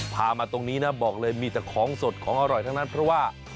มาตรงนี้นะบอกเลยมีแต่ของสดของอร่อยทั้งนั้นเพราะว่า